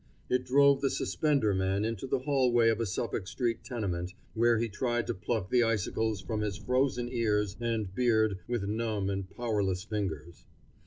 It drove the suspender man into the hallway of a Suffolk street tenement, where he tried to pluck the icicles from his frozen ears and beard with numb and powerless fingers.